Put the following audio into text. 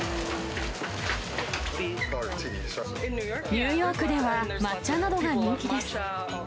ニューヨークでは抹茶などが人気です。